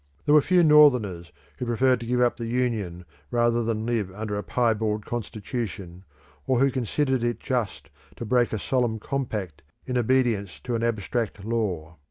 There were few Northerners who preferred to give up the Union rather than live under a piebald constitution, or who considered it just to break a solemn compact in obedience to an abstract law.